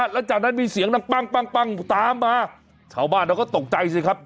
แล้วจากนั้นมีเสียงดังปั้งตามมาชาวบ้านเราก็ตกใจสิครับ